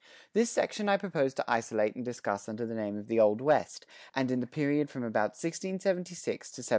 This section I propose to isolate and discuss under the name of the Old West, and in the period from about 1676 to 1763.